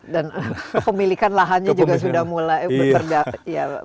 dan kepemilikan lahannya juga sudah mulai berganti tanah